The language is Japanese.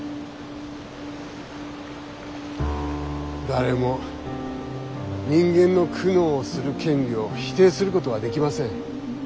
誰も人間の苦悩する権利を否定することはできません。